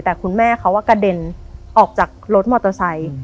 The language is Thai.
แต่คุณแม่เขากระเด็นออกจากรถมอเตอร์ไซค์